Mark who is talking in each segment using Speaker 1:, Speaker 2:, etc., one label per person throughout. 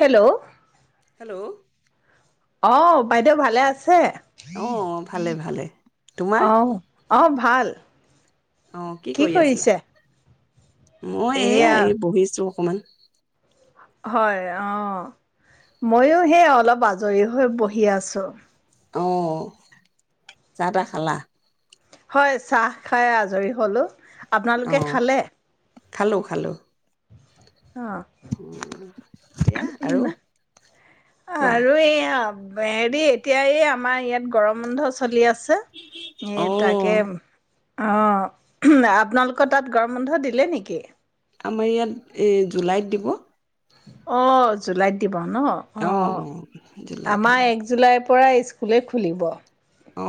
Speaker 1: Hello?
Speaker 2: Hello?
Speaker 1: অ' বাইদেউ ভালে আছে?
Speaker 2: আহ ভালে ভালে,
Speaker 1: অ
Speaker 2: তোমাৰ?
Speaker 1: অ ভাল
Speaker 2: অ কি কৰি আছিলা মই
Speaker 1: এয়া
Speaker 2: এয়াই এই বহিছো অকণমান
Speaker 1: হয় অ মইও হেই অলপ আজৰি হৈ বহি আছো
Speaker 2: অ চাহ তাহ খালা
Speaker 1: হয় চাহ খাই আজৰি হলো আপোনালোকে
Speaker 2: অ'
Speaker 1: খালে
Speaker 2: খালো খালো
Speaker 1: অ
Speaker 2: অ' এতিয়া
Speaker 1: উ
Speaker 2: আৰু কোৱা।
Speaker 1: আৰু এইয়া এই এতিয়া আমাৰ ইয়াত গৰম বন্ধ চলি আছে ছে এই তাকে
Speaker 2: অ'
Speaker 1: অ উম আপোনালোকৰ তাত গৰম বন্ধ দিলে নেকি
Speaker 2: আমাৰ ইয়াত এই জুলাইত দিব
Speaker 1: অ জুলাইত দিব দিব ন অ আমাৰ এক জুলাই পৰা স্কুলে খুলিব।
Speaker 2: অ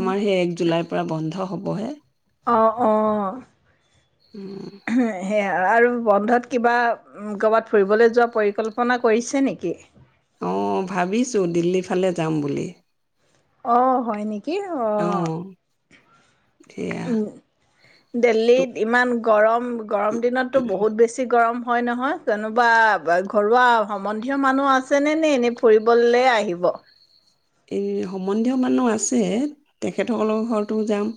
Speaker 2: আমাৰ সেই এক জুলাই পৰা বন্ধ হ'বহে
Speaker 1: অ অ
Speaker 2: উম।
Speaker 1: সেয়া আৰু বন্ধত কিবা উম কৰবাত ফুৰিবলৈ যোৱা পৰিকল্পনা কৰিছে নেকি
Speaker 2: অ ভাবিছো দিল্লী ফালে যাম বুলি
Speaker 1: অ হয় নেকি কি অ
Speaker 2: সেয়া। তো
Speaker 1: ডেলহীত ইমান গৰম। গৰম দিনত টো বহুত বেছি গৰম হয় নহয় কোনোবা ঘৰুৱা সম্বন্ধীয় মানুহ আছেনে নে এনেই ফুৰিবলে আহিব
Speaker 2: এই সম্বন্ধীয় মানুহ আছে তেখেতসকলৰ ঘৰতো যাম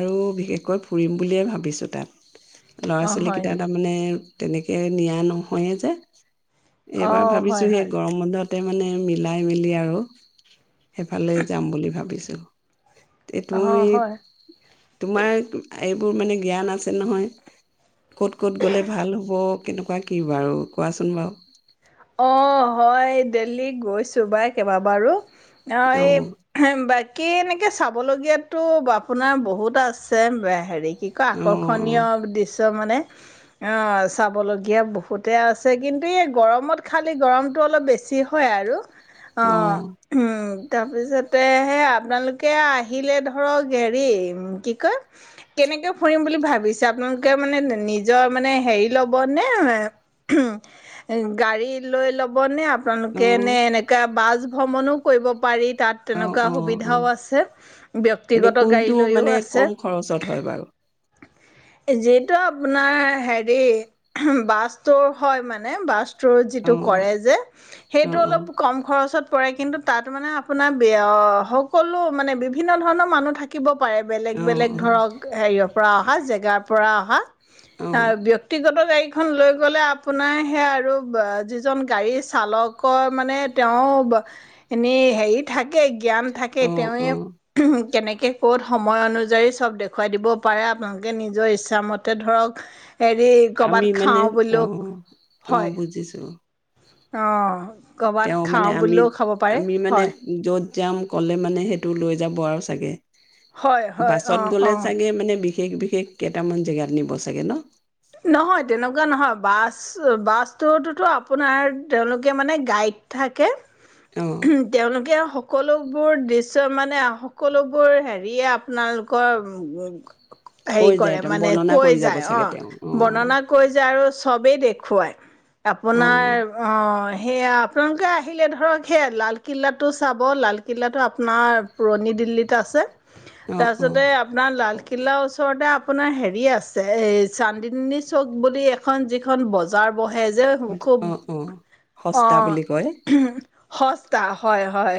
Speaker 2: আৰু বিশেষকৈ ফুৰিম বুলিয়ে ভাবিছো তাত ল'ৰা
Speaker 1: অ', হয়
Speaker 2: ছোৱালীকেইটা তাৰমানে তেনেকে নিয়া নহয়ে যে। এইবাৰ
Speaker 1: অ',
Speaker 2: ভাবিছো
Speaker 1: হয় হয়
Speaker 2: সেই গৰম বন্ধত তাতে মানে মিলাই মেলি আৰু সেইফালে যাম বুলি ভাবিছো তুমি
Speaker 1: অ', হয়।
Speaker 2: তোমাৰ এইবোৰ মানে জ্ঞান আছে নহয় ক'ত ক'ত গ'লে ভাল হ'ব কেনেকুৱা কি বাৰু কোৱাচোন বাৰু
Speaker 1: অ, হয়। দেল্হী গৈছো বাই কেইবাবাৰো। অ এই
Speaker 2: অঁ
Speaker 1: কি এনেকি চাবলগীয়াতো আপোনাৰ বহুত আছে হেৰি কি কয়
Speaker 2: অঁ
Speaker 1: আকৰ্ষণীয় দৃশ্য মানে অ চাবলগীয়া বহুতে আছে কিন্তু এই গৰমত খালি গৰমতটো অলপ বেছি হয় আৰু অ
Speaker 2: অঁ অঁ
Speaker 1: উম তাৰপিছতে সে আপোনালোকে আহিলে ধৰক হেৰি কি কয় কেনেকৈ ফুৰিম বুলি ভাবিছে আপোনালোকে মানে নিজৰ মানে হেৰি ল'বনে গাড়ী লৈ ল'বনে তোমালোকে
Speaker 2: অঁ
Speaker 1: এনেকা বাজ ভ্ৰমণো কৰিব পাৰি তাত
Speaker 2: অঁ
Speaker 1: তেনেকুৱা
Speaker 2: অঁ অঁ
Speaker 1: সুবিধাও আছে
Speaker 2: এতিয়া
Speaker 1: ব্যক্তিগত গাড়ী
Speaker 2: কোনটো
Speaker 1: লৈও
Speaker 2: মানে
Speaker 1: আছে
Speaker 2: কম খৰচত হয় বাৰু
Speaker 1: যিহেতু আপোনাৰ হেৰি বাছ টু হয় মানে বাছ টো
Speaker 2: অঁ
Speaker 1: কৰে যে
Speaker 2: অ',
Speaker 1: সেইটো অলপ
Speaker 2: অ',
Speaker 1: কম খৰচত পৰে কিন্তু তাত মানে আপোনাৰ সকলো মানে বিভিন্ন ধৰণৰ মানুহ থাকিব। পাৰে বেলেগ বেলেগ
Speaker 2: অ',
Speaker 1: ধৰক হেৰিয় পৰা অহা জেগাৰ পৰা অহা অ ব্যক্তিগত গাড়িত সেইখন লৈ গ'লে আপোনাৰ সেইয়া আৰু গাড়ী চালকৰ মানে তেওঁ এনেই হেৰি থাকে থাকে জ্ঞান থাকে
Speaker 2: অ', অ', অ
Speaker 1: তেওঁৱে কেনেকে ক'ত সময় অনুযায়ী চব দেখুৱাই দিব পাৰে আপোনালোকে নিজৰ ইচ্ছাামতে ধৰক হেৰি ক'ৰবাত
Speaker 2: আমি মানে
Speaker 1: খাওঁ
Speaker 2: অ
Speaker 1: বুলিলেও
Speaker 2: অ বুজিছো
Speaker 1: আহ কৰবাত
Speaker 2: তেওঁ মানে
Speaker 1: খাওঁ
Speaker 2: আমি
Speaker 1: বুলেও খাব পাৰে
Speaker 2: আমি মানে
Speaker 1: হয়
Speaker 2: য'ত যাম ক'লে মানে সেইটো লৈ যাব আৰু চাগে
Speaker 1: হয় হয়
Speaker 2: বাছত
Speaker 1: অ
Speaker 2: গ'লে
Speaker 1: অ
Speaker 2: চাগে মানে বিশেষ বিশেষ কেইটামান জেগাত নিব চাগে ন
Speaker 1: নহয় তেনেকুৱা নহয় বাছ বাছটোতোতো আপোনাৰ তেওঁলোকে মানে গাইড থাকে
Speaker 2: অ',
Speaker 1: তেওঁলোকেও সকলোবোৰ দৃশ্য মানে সকলোবোৰ হেৰিয়ে আপোনালোকৰ হেৰি
Speaker 2: কৈ
Speaker 1: কৰে
Speaker 2: যায় ত
Speaker 1: মানে
Speaker 2: বৰ্ণনা
Speaker 1: কৈ
Speaker 2: কৰি যাব
Speaker 1: যায় অঁ
Speaker 2: চাগে তেওঁ অ
Speaker 1: বৰ্ণনা কৈ যে আৰু চব বে দেখুৱায় আপোনাৰ অ সেয়া। আপোনালোকে আহিলে ধৰক সেইয়া লালকিল্লাটো চাব। লালকিল্লাটো আপোনাৰ পুৰণি দিল্লীত আছে।
Speaker 2: অ',
Speaker 1: তাৰপিছতে আপোনাৰ লাল কিলাৰ ওচৰতে আপোনাৰ হেৰি আছে, এই চণ্ডী [inaudible] চ'ক বুলি এখন যিখন বজাৰ বহে যে খুব।
Speaker 2: অ', অ', অ',
Speaker 1: অ'।
Speaker 2: সস্তা বুলি কয়
Speaker 1: [unintelligible] তা হয়, হয়।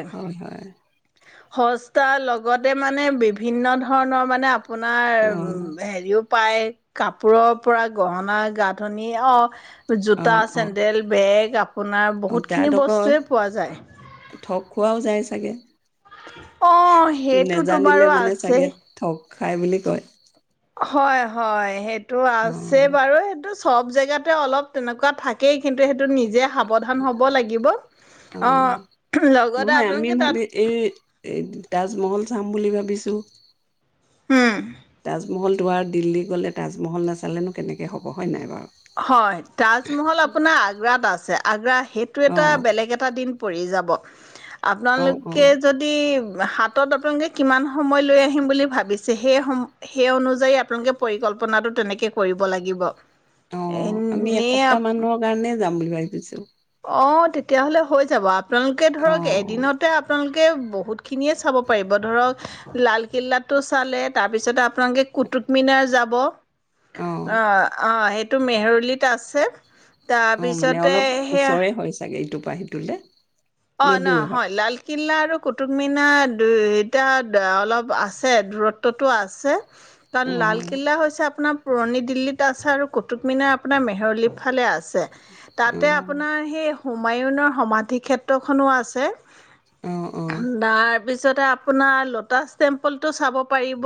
Speaker 1: সস্তা। লগতে মানে বিভিন্ন ধৰণৰ মানে আপ আপোনাৰ
Speaker 2: অ',
Speaker 1: হেৰিও। পাই। কাপোৰৰ পৰা গহনা-গাঁথনি হওক জোতা,
Speaker 2: অ', অ',
Speaker 1: চেণ্ডেল, বেগ আপোনাৰ
Speaker 2: অ', তাত
Speaker 1: বহুতখিনি
Speaker 2: আকৌ
Speaker 1: বস্তুৱে পোৱা যায়।
Speaker 2: ঠগ খোৱাও যায় চাগে।
Speaker 1: অ', সেইটোতো
Speaker 2: নেজানিলে
Speaker 1: বাৰু
Speaker 2: মানে
Speaker 1: আছে।
Speaker 2: চাগে ঠগ খাই বুলি কয়।
Speaker 1: হয়, হয়। সেই টো আছে
Speaker 2: অ',
Speaker 1: বাৰু সেইটো চব জেগাতে অলপ তেনেকুৱা থাকেই। কিন্তু সেইটো নিজে সাৱধান হ'ব লাগিব। অ'। লগতে
Speaker 2: নহয় আমি
Speaker 1: আপোনালোকে তাত
Speaker 2: ভাবি এই দিছো।
Speaker 1: হমম।
Speaker 2: তাজমহল তোমাৰ দিল্লী গ'লে তাজমহল নাচালেনো কেনেকে হ'ব? হয় নে‌ নাই বাৰু?
Speaker 1: হয়। তাজমহল আপোনাৰ আগ্ৰাত আছে। আগ্ৰা সেইটো
Speaker 2: অ',
Speaker 1: এটা বেলেগ এটা দিন পৰি যাব।
Speaker 2: অ',
Speaker 1: আপোনালোকে
Speaker 2: অ',
Speaker 1: যদি হাতত আপোনালোকে কিমান সময় লৈ আহিম বুলি ভাবিছে? সেই সম, সেই অনুযায়ী আপোনালোকে পৰিকল্পনাটো তেনেকে কৰিব লাগিব।
Speaker 2: অ'। আমি
Speaker 1: এনেই
Speaker 2: এসপ্তাহ
Speaker 1: আপ-
Speaker 2: মানৰ কাৰণে যাম বুলি ভাবিছো। দিছিল।
Speaker 1: অ', তেতিয়াহ'লে হৈ যাব আ আপোনালোকে
Speaker 2: অ',
Speaker 1: ধৰক এদিনতে আপোনালোকে কে বহুতখিনিয়ে চাব পাৰিব। ধৰক লালকিল্লাটো চালে, তাৰপিছতে আপ- আপোনালোকে কুটুকমিনাৰ যাব- বহ।
Speaker 2: অ',
Speaker 1: অ'-অ', সেই টো মেহৰুলিত আছে। তাৰ
Speaker 2: অ', অ' মানে
Speaker 1: পিছতে
Speaker 2: অলপ ওচৰে হৈছে ইটোৰ পৰা সিটোলে
Speaker 1: অ
Speaker 2: নে
Speaker 1: ন
Speaker 2: দূৰ
Speaker 1: হয়, লালকিল্লা আৰু কুটুব তামিনা দুই টা দা অলপ আছে দূৰত্বটো আছে তাত
Speaker 2: অ',
Speaker 1: লালকিল্লা হৈছে আপোনাৰ পুৰণি দিল্লীত আছে আৰু কুটুক মিনাৰ আপোনাৰ মেহৰলি ফালে আছে তে তাতে
Speaker 2: অ',
Speaker 1: আপোনাৰ সেই হুমায়ুনৰ সমাধি ক্ষেত্ৰ টোখনো আছে
Speaker 2: অ', অ',
Speaker 1: হুম বাব তাৰপিছতে আপোনাৰ ল'টাছ টেম্পলটো চাব পাৰিব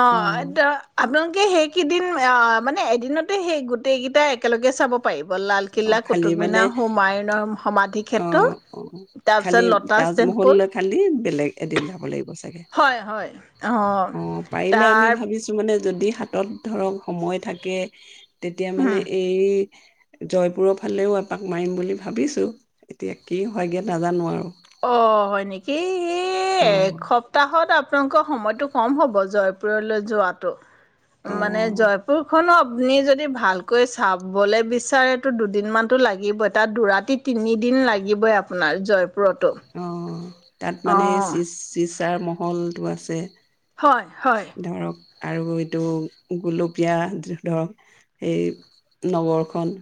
Speaker 1: অ এতিয়া আপোন এই সেইকেইদিন অ, মানে এদিনতে সেই গোটেই কেইটা একেলগে চাব পাৰিব
Speaker 2: অ',
Speaker 1: লালকিল্লা,
Speaker 2: খালি
Speaker 1: কুটুব
Speaker 2: মানে
Speaker 1: মিনাৰ, হুমায়ুনৰ সমাধি
Speaker 2: অ,
Speaker 1: ক্ষেত্ৰ
Speaker 2: অ
Speaker 1: তাৰপিছত
Speaker 2: খালি
Speaker 1: ল'টাছ টেম্পল
Speaker 2: তাজমহলৈ খালি, বেলেগ এদিন যাব লাগিবচে
Speaker 1: হয় হয় অহ,
Speaker 2: পাৰিলে আমি
Speaker 1: তাৰ
Speaker 2: ভাবিছো মানে যদি হাতত, ধৰক সময় থাকে তেতিয়া মানে এই জয়পুৰৰ ফালেও এপাক মাৰিম বুলি ভাবিছো, এতিয়া কি হৈগে নাজানো আৰু
Speaker 1: অ হয় নেকি ই
Speaker 2: অ',
Speaker 1: এসপ্তাহত আপ আতংক সময়টো কম হ'ব জয়পুৰলৈ যোৱাটো মানে
Speaker 2: অ',
Speaker 1: জয়পুৰ খন অ আপুনি যদি ভালকৈ চাবলে বিচাৰেতো, দুদিনমানতো লাগিবই তাত দুৰাতি তিনিদিন লাগিবই আপোনাৰ জয়
Speaker 2: অহ তাত মানে
Speaker 1: অঁ
Speaker 2: চিজ চিজ তাৰ মহলটো আছে
Speaker 1: হয়, হয়
Speaker 2: ধৰক আৰু এইটো, গোলপীয়া ধৰক সেই, নগৰখন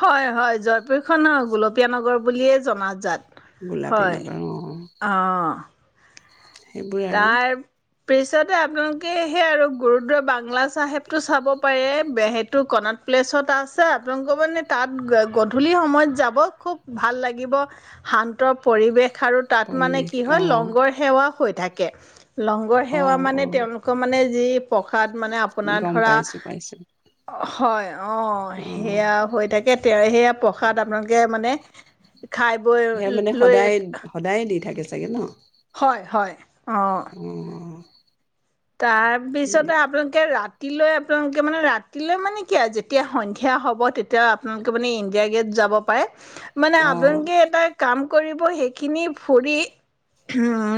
Speaker 1: হয়, হয় জয়পুৰ খন‌ও গোল পীয়ানগৰ বুলিয়ে জনাজাত
Speaker 2: গোলাপী
Speaker 1: হয়,
Speaker 2: নগৰ
Speaker 1: অ
Speaker 2: সেইবোৰে আৰু
Speaker 1: পিছতে আপোনালোকে সেই আৰু গুৰুদ বাংলা চাহেবটো চাব পাৰে বেসেইটো কণাত প্লেছত আছে আপোনালোকৰ মানে তাত গধূলি সময়ত যাব - খুব ভাল লাগিব শান্ত পৰিৱেশ খাৰ তাত মানে
Speaker 2: পৰিৱেশ
Speaker 1: কি হয়
Speaker 2: অ'।
Speaker 1: লংগৰ সেৱা হৈ থাকে কে লংগৰ
Speaker 2: অ',
Speaker 1: সেৱা মানে
Speaker 2: অ',
Speaker 1: তেওঁলোকৰ মানে এই প্ৰসাদ মানে আপোনাৰ
Speaker 2: গম
Speaker 1: ধৰা-
Speaker 2: পাইছো পাইছো
Speaker 1: হয় অঁ
Speaker 2: অ',
Speaker 1: সেয়া হৈ থাকে তে সেয়া প্ৰসাদ আপোনালোকে মানে- খাই বৈ
Speaker 2: সেয়া মানে
Speaker 1: লৈ
Speaker 2: সদায়
Speaker 1: এক-
Speaker 2: সদায় দি চাগে ন
Speaker 1: অঁ
Speaker 2: উম
Speaker 1: তাৰপিছতে আপোনালোকে ৰা- ৰাতিলৈ আপোনালোকে মানে ৰাতিলৈ মানে কি আৰু যেতিয়া সন্ধিয়া হ'ব তেতিয়া আপোনালোকে মানে ইণ্ডিয়া গে'ট যাব পাৰে- মানে
Speaker 2: অ',
Speaker 1: আপোনালোকে এটা কাম- কৰিব সেইখিনি ফুৰি হুম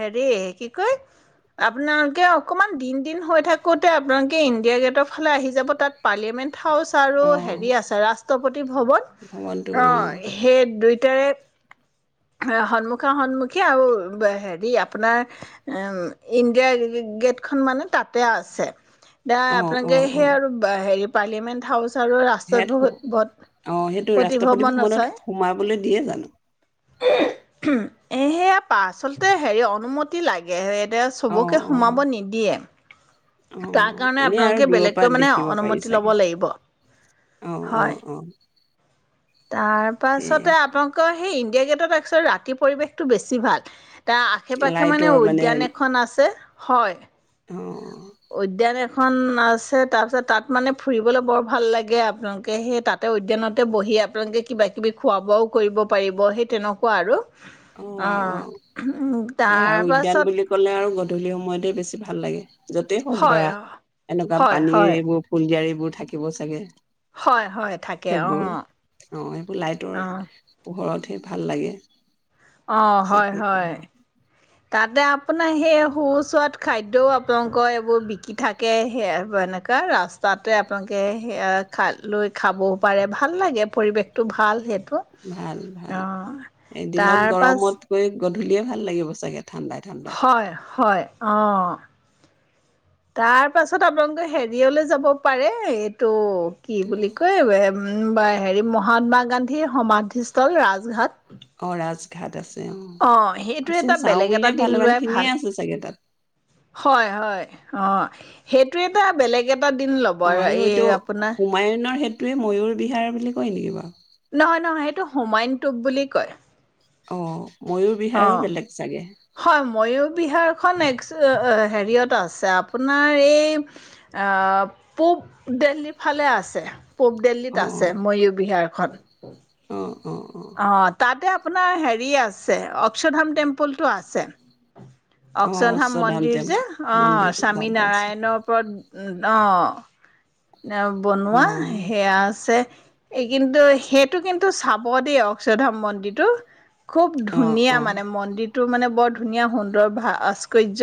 Speaker 1: হেৰি - কি কয় - আপোনালোকে অকণমান দিন দিন হৈ থাকোঁতে আপোনালোকে ইণ্ডিয়া গেটৰ ফালে আহি যাব তাত পাৰ্লিয়ামেণ্ট- হাউছ আৰু
Speaker 2: অ',
Speaker 1: হেৰি আছে ৰাষ্ট্ৰপতি ভৱন অ - তাৰে সন্মুখা সন্মুখী আৰু হেৰি আপোনাৰ উ ইণ্ডিয়া গেটখন মানে তাতে আছে দা
Speaker 2: অ',
Speaker 1: আপোনালোকে সেই আৰু হেৰি পাৰলিেট হউচ
Speaker 2: সাত অ সেইটো
Speaker 1: পতি
Speaker 2: ৰাষ্ট্ৰপতি
Speaker 1: ভৱন
Speaker 2: ভ্ৰৱনত সোমাবলৈ দিয়ে জানো?
Speaker 1: এহেয়া পা আচলতে হেৰি অনুমতি লাগে স
Speaker 2: অ',
Speaker 1: চবকে
Speaker 2: অ',
Speaker 1: সোমাব নিদিয়ে তাৰ
Speaker 2: অ',
Speaker 1: কাৰণে
Speaker 2: এনেই আৰু
Speaker 1: আপোনালোকে
Speaker 2: দূৰৰ পৰা
Speaker 1: বেলেগকৈ মানে
Speaker 2: দেখিব পাৰি
Speaker 1: অনুমতি ল'ব
Speaker 2: চাগে
Speaker 1: লাগিব-
Speaker 2: অ',
Speaker 1: হয়
Speaker 2: অ', অ', সেয়া
Speaker 1: তাৰপাছতে আপোনালোকৰ হেৰিম- গেটত ৰাতি পৰিৱেশটো বেছি ভাল তাৰ আশে পাশে মানে উদ্যান এখন আছে হয়
Speaker 2: অ-
Speaker 1: উদ্যান এখন আছে তাৰপিছত তাত মানে ফুৰিবলৈ বৰ ভাল লাগে আপোনালোকে সেই তাতে উদ্যানতে বহি আপোনালোকে কিবা কিবি খোৱা বোৱাও কৰিব পাৰিব সেই তেনেকুৱা আৰু
Speaker 2: অ', অ' সেই আৰু উদ্যান
Speaker 1: তাৰপাছত
Speaker 2: বুলি ক'লে আৰু গধূলিসম সময়তে বেছি ভাল লাগে। য'তেই হওক
Speaker 1: হয়
Speaker 2: ধৰা এনেকুৱা
Speaker 1: হয়
Speaker 2: পানী
Speaker 1: হয়
Speaker 2: এইবোৰ ফুলজিয়াৰ বোৰ থাকিব চাগে।
Speaker 1: হয় হয় থাকে অ
Speaker 2: সেইবোৰ অ' সেইবোৰ লাইটৰ
Speaker 1: অ
Speaker 2: পোহৰত ভাল লাগে।
Speaker 1: অ' হয়,
Speaker 2: চাকি
Speaker 1: হয়।
Speaker 2: পোহৰ
Speaker 1: তাতে আপোনাৰ সেই সুস্বাদ খাদ্যয়ও আপোনালোকৰ এইবোৰ বিকি থাকে খেবোৰ অনকা ৰস্ততে আপোনালোকে শৈয়া খলৈ খাবও পাৰে ভাল লাগে পৰিবেশ টো ভালহে।
Speaker 2: ভাল, ভাল এদিনত
Speaker 1: তাৰ পাছ
Speaker 2: গৰমতগৈ গধূলিয়ে ভাল লাগিব চাগে। ঠাণ্ডাই, ঠাণ্ডাই
Speaker 1: হয়, হয় অ' তাৰ পাছত আপোনালোকে হেৰিয়লৈ যাব পাৰে এইটো কি বুলি কয় বা হেৰি মহাত্মা গান্ধীৰ সমাধিস্থল ৰাজঘাট
Speaker 2: অ'আজ ঘাদ আছে। অ
Speaker 1: আহ সেইটো
Speaker 2: আছে
Speaker 1: এটা
Speaker 2: চাওঁ
Speaker 1: বেলেগ
Speaker 2: বুলিলে
Speaker 1: এটা দিন
Speaker 2: ভালেমান
Speaker 1: লোৱাই
Speaker 2: খিনিয়ে
Speaker 1: ভাল।
Speaker 2: আছে চাগে তাত
Speaker 1: হয়, হয় অ' সেইটো এটা বেলেগ এটা কটা দিন ল'ব আৰু এই আপোনাৰ
Speaker 2: তেই ময়ুৰ বিহাৰ বুলি কয় নেকি বাৰু?
Speaker 1: টো হুমাইনটোপ বুলি কয়।
Speaker 2: অ' ময়ুৰ
Speaker 1: অ'।
Speaker 2: বিহাৰো বেলেগ চাগে।
Speaker 1: হয় ময়ৰ বিহাৰখন এক হেৰিয়ত আছে আপোনাৰ এই পূব দিল্লীৰ ফালে আছে। পূব
Speaker 2: অ
Speaker 1: দিল্লীত আছে ময়ূৰ বিহাৰ। সাত
Speaker 2: অ'
Speaker 1: অ' তাতে আপোনাৰ হেৰি আছে অক্ষধাম টেম্পলটো আছে।
Speaker 2: অ
Speaker 1: অক্ষলধাম
Speaker 2: অশ্বধাম
Speaker 1: মন্দিৰ যে অ'
Speaker 2: মন্দিৰটো গম
Speaker 1: স্বামী
Speaker 2: পাইছো
Speaker 1: নাৰায়ণৰ ওপৰত অঁ এ বনোৱা
Speaker 2: অ
Speaker 1: সেয়া আছে। এই কিন্তু সেইটো কিন্তু চাব দেই অক্ষধাম মন্দিৰটো। খুব
Speaker 2: অ
Speaker 1: ধুনীয়া
Speaker 2: অ
Speaker 1: মানে মন্দিৰ। টো মানে বৰ ধুনীয়া সুন্দৰ ভাস্কৰ্য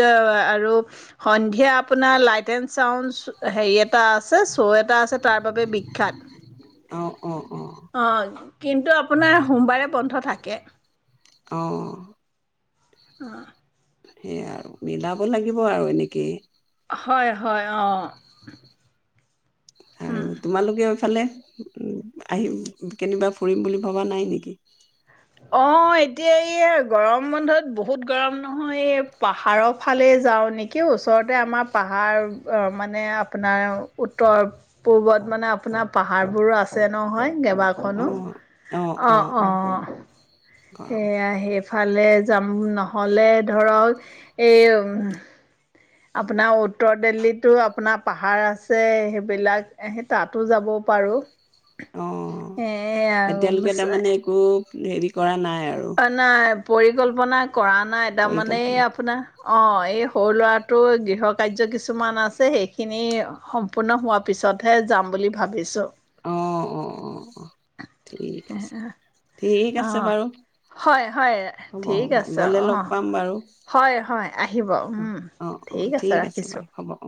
Speaker 1: আৰু সন্ধিয়া আপোনাৰ লাইট এণ্ড চাউণ্ড হেৰি এটা আ আছে শ্ব' এটা আছে তাৰ বাবে বিখ্যাত।
Speaker 2: অ', অ',
Speaker 1: অ' কিন্তু আপোনাৰ সোমবাৰে বন্ধ থাকে।
Speaker 2: অ'
Speaker 1: অ'
Speaker 2: সেইয়াই আৰু মিলাব লাগিব আৰু এনেকেই
Speaker 1: হয় হয় অ'
Speaker 2: আৰু তোমালোকেও এফালে, আহি কেনিবা ফুৰিম বুলি ভবা নাই নেকি?
Speaker 1: অ' এতিয়া এই গৰম বন্ধত বহুত গৰম নহয়, এই পাহাৰৰ ফালে যাওঁ নেকি ওচৰতে আমাৰ পাহাৰ মানে আপোনাৰ উত্তৰ পূ্বত মানে আপোনাৰ পাহাৰবোৰো আছে নহয়। কেবাখনো অ' অ'
Speaker 2: গৰম
Speaker 1: সেইয়া আহে ইফালে যাম নহ'লে ধৰক এই আপোনাৰ উত্তৰ দিল্লীতো আপোনাৰ পাহাৰ আছে, সেইবিলাক সেই তাতো যাব পাৰো।
Speaker 2: অ', এতিয়ালৈকে তাৰমানে একো? দেৰি কৰা নাই। আৰু
Speaker 1: অ' নাই পৰিকল্পনা কৰা নাই, তাৰমানে
Speaker 2: পৰিকল্পনা
Speaker 1: আপোনাৰ অ' এই সৰু ল'ৰাটোৰ গৃহ কাৰ্য কিছুমান আছে, সেইখিনি সম্পূৰ্ণ হোৱাৰ পিছতহে যাম বুলি ভাবিছোঁ।
Speaker 2: অ' অ' অ' অ' ঠিক আছে, ঠিক
Speaker 1: অ
Speaker 2: আছে বাৰু
Speaker 1: হয় হয়
Speaker 2: হ'ব,
Speaker 1: ঠিক
Speaker 2: হ'ব
Speaker 1: আছে,
Speaker 2: গ'লে
Speaker 1: অ
Speaker 2: লগ পাম বাৰু
Speaker 1: হয় হয় আহিব
Speaker 2: অ',
Speaker 1: উম
Speaker 2: অ',
Speaker 1: ঠিক
Speaker 2: অ',
Speaker 1: আছে ৰাখিছো।
Speaker 2: বাৰু হ'ব অ'।